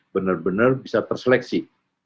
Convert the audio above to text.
benar benar bisa terseleksi